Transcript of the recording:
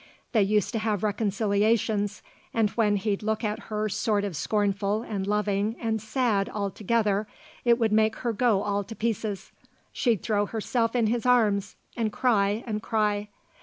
They used to have reconciliations, and when he'd look at her sort of scornful and loving and sad all together, it would make her go all to pieces. She'd throw herself in his arms and cry and cry.